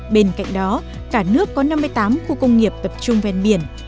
bên cạnh đó cả nước có năm mươi tám khu công nghiệp tập trung ven biển